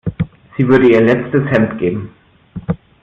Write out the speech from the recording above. Sie würde ihr letztes Hemd geben.